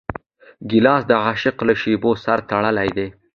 ګیلاس د عشق له شېبو سره تړلی دی.